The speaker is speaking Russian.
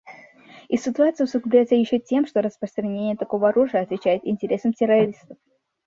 И ситуация усугубляется еще тем, что распространение такого оружия отвечает интересам террористов.